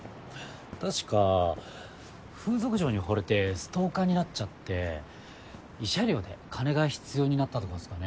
確か風俗嬢にほれてストーカーになっちゃって慰謝料で金が必要になったとかっすかね。